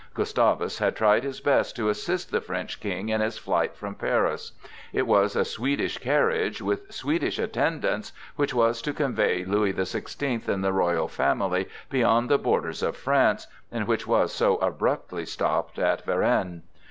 Gustavus had tried his best to assist the French King in his flight from Paris. It was a Swedish carriage, with Swedish attendants, which was to convey Louis the Sixteenth and the royal family beyond the borders of France, and which was so abruptly stopped at Varennes.